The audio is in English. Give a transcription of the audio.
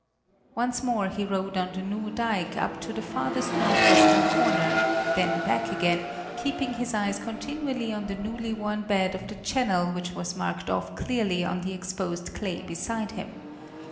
Once more he rode on the new dike up to the farthest northwestern corner, then back again, keeping his eyes continually on the newly worn bed of the channel which was marked off clearly on the exposed clay beside him.